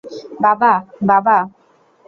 বাবা, বাবা!